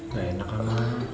gak enak ama